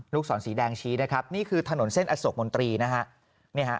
ศรสีแดงชี้นะครับนี่คือถนนเส้นอโศกมนตรีนะฮะ